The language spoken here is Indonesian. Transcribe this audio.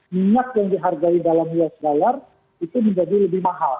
minyak yang dihargai dalam us dollar itu menjadi lebih mahal